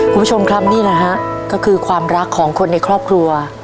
คุณผู้ชมครับนี่แหละฮะก็คือความรักของคนในครอบครัว